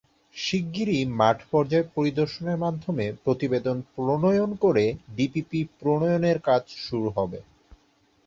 শিগগিরই মাঠপর্যায় পরিদর্শনের মাধ্যমে প্রতিবেদন প্রণয়ন করে ডিপিপি প্রণয়নের কাজ শুরু হবে।